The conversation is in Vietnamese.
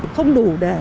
không đủ để